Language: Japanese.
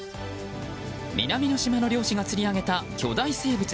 南の島の漁師が釣り上げた巨大生物。